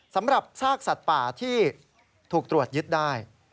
สำหรับซากสัตว์ป่าที่ถูกตรวจยึดได้